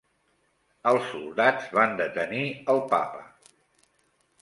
Els soldats van detenir el Papa.